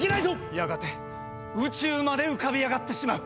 やがて宇宙まで浮かび上がってしまう。